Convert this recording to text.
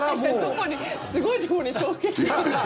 すごいところに衝撃を。